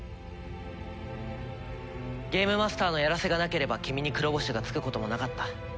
ゲームマスターのやらせがなければ君に黒星がつくこともなかった。